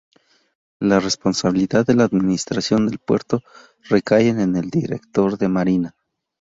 La responsabilidad de la administración del puerto recae en el Director de Marina.